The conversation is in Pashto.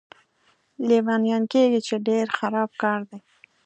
لیونیان کېږي، چې ډېر خراب کار دی.